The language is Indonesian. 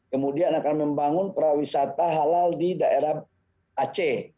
kemudian akan membangun perawisata halal di daerah aceh